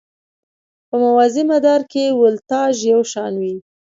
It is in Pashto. په موازي مدار کې ولتاژ یو شان وي.